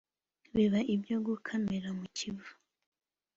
biba ibyo gukamira mu kiva